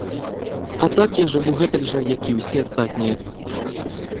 А так я жыву гэтак жа, як і ўсе астатнія.